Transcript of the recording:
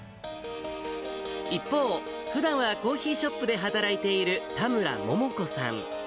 一方、ふだんはコーヒーショップで働いている田村桃子さん。